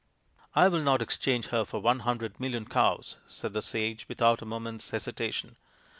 " I will not exchange her for one hundred million cows/' said the sage, without a moment's hesitation.